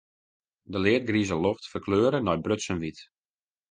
De leadgrize loft ferkleure nei brutsen wyt.